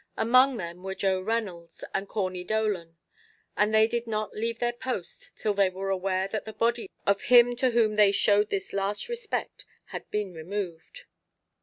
Among them were Joe Reynolds and Corney Dolan, and they did not leave their post till they were aware that the body of him to whom they showed this last respect had been removed.